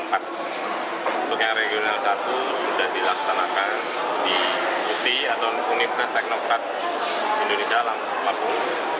untuk yang regional satu sudah dilaksanakan di uti atau universt technocrat indonesia lampung